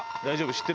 大丈夫？